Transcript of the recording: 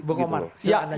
bapak omar silakan